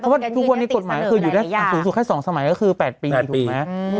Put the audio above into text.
เพราะว่าทุกวันนี้กฎหมายคืออยู่ได้สูงสุดแค่๒สมัยก็คือ๘ปีถูกไหม